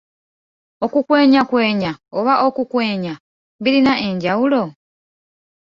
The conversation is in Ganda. Okukwenyakwenya oba okukwenya birina enjawulo?